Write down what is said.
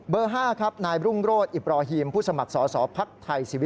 เบอร์๕ครับ